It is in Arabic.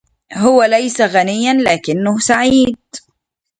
هو ليس غنيا ولكنه سعيد